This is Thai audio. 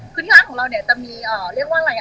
คือที่ร้านของเราเนี่ยจะมีเรียกว่าอะไร